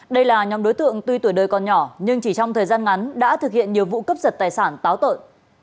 đây là nhóm đối tượng tuy tuổi đời còn nhỏ nhưng chỉ trong thời gian ngắn đã thực hiện nhiều vụ cướp giật tài sản táo tợn